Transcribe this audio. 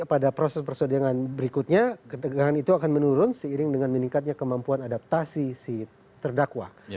pada proses persidangan berikutnya ketegangan itu akan menurun seiring dengan meningkatnya kemampuan adaptasi si terdakwa